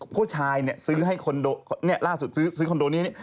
ผู้ชายซื้อให้คอนโดนี่ล่าสุดซื้อคอนโดนี้